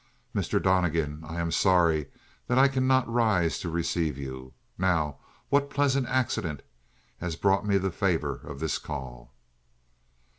"Mr. Donnegan, I am sorry that I cannot rise to receive you. Now, what pleasant accident has brought me the favor of this call?"